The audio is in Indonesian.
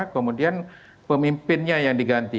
kemudian pemimpinnya yang diganti